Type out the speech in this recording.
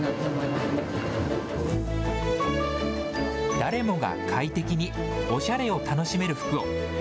誰もが快適に、おしゃれを楽しめる服を。